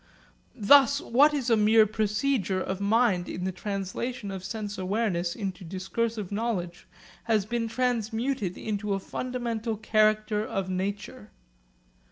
Thus what is a mere procedure of mind in the translation of sense awareness into discursive knowledge has been transmuted into a fundamental character of nature.